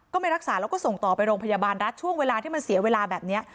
ไม่รักษาแล้วก็ส่งต่อไปโรงพยาบาลรัฐช่วงเวลาที่มันเสียเวลาแบบนี้